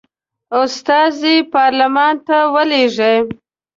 استازي پارلمان ته ولیږي.